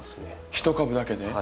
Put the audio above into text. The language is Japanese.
１株だけで？